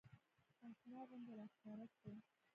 اشنا غوندې راښکاره سو.